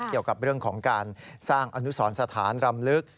เกี่ยวกับเรื่องของการสร้างอนุสรสถานรำลึก